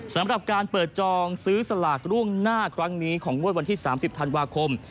สำหรับการเปิดจองซื้อสลากล่วงหน้าครั้งนี้ของงวดวันที่๓๐ธันวาคม